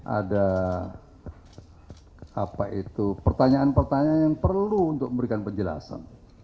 ada pertanyaan pertanyaan yang perlu untuk memberikan penjelasan